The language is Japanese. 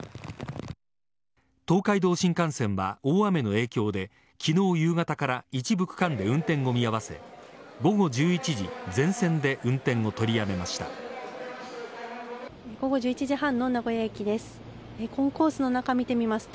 東海道新幹線は大雨の影響で昨日夕方から一部区間で運転を見合わせ午後１１時、全線で運転を午後１１時半の名古屋駅です。